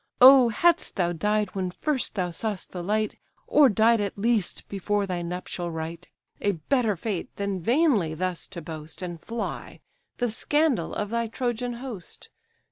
Oh, hadst thou died when first thou saw'st the light, Or died at least before thy nuptial rite! A better fate than vainly thus to boast, And fly, the scandal of thy Trojan host.